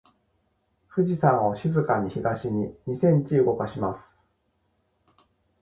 富士山を静かに東に二センチ動かします。